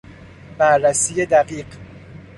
بررسی دقیق